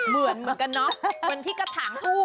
เหมือนกันเนาะเหมือนที่กระถางทูบ